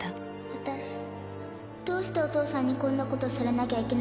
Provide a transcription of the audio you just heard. わたしどうしてお父さんにこんなことされなきゃいけないの？